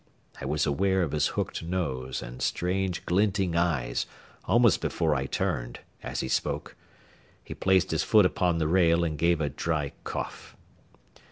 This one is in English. I was aware of his hooked nose and strange, glinting eyes almost before I turned, as he spoke. He placed his foot upon the rail and gave a dry cough.